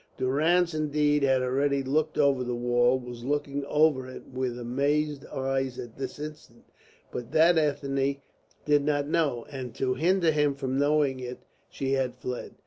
Durrance, indeed, had already looked over the wall, was looking over it with amazed eyes at this instant, but that Ethne did not know, and to hinder him from knowing it she had fled.